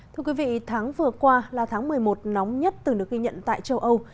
thưa quý vị tháng vừa qua là tháng một mươi một nóng nhất từng được ghi nhận tại châu âu